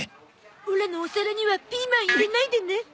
オラのお皿にはピーマン入れないでね。